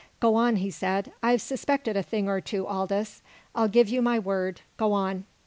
"Go on," he said. "I've suspected a thing or two, Aldous. I'll give you my word. Go on."